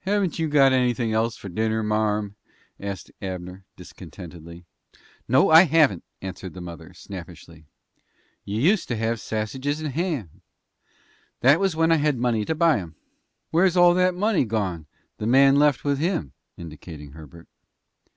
"Haven't you got anything else for dinner, marm?" asked Abner, discontentedly. "No, I haven't," answered the mother, snappishly. "You used to have sassiges and bacon." "That was when I had money to buy 'em." "Where's all that money gone the man left with him?" indicating Herbert.